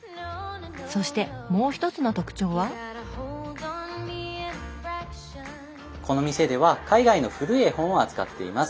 そしてもう一つの特徴はこの店では海外の古い絵本を扱っています。